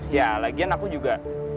ya lagian aku juga